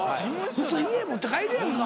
普通家持って帰るやんか。